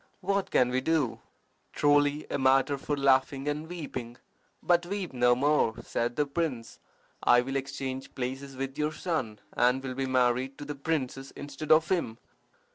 What can we do?" "Truly a matter for laughing and weeping. But weep no more," said the prince. "I will exchange places with your son, and will be married to the princess instead of him.